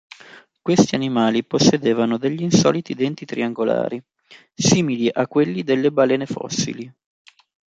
Questi animali possedevano degli insoliti denti triangolari, simili a quelli delle balene fossili.